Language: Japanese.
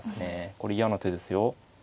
これ嫌な手ですよ。